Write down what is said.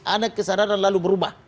ada kesadaran lalu berubah